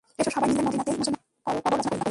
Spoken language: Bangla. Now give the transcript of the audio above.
এসো, সবাই মিলে মদীনাতেই মুসলমানদের কবর রচনা করি।